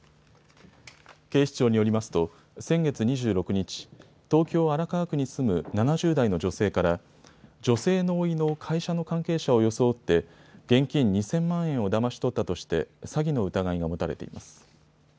警視庁によりますと先月２６日、東京荒川区に住む７０代の女性から女性のおいの会社の関係者を装って現金２０００万円をだまし取ったとして詐欺の疑いが持たれています。